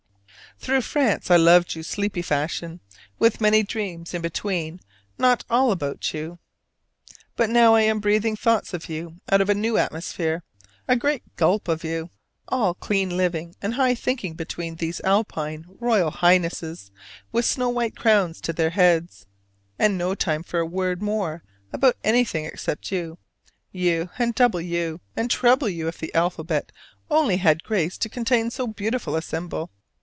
Through France I loved you sleepy fashion, with many dreams in between not all about you. But now I am breathing thoughts of you out of a new atmosphere a great gulp of you, all clean living and high thinking between these Alpine royal highnesses with snow white crowns to their heads: and no time for a word more about anything except you: you, and double you, and treble you if the alphabet only had grace to contain so beautiful a symbol!